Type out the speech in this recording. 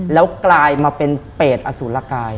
แล้วกลายมาเป็นเปรตอสุรกาย